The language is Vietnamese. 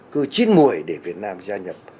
cứ chín mùi để việt nam gia nhập